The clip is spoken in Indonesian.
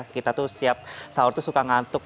kita tuh siap sahur tuh suka ngantuk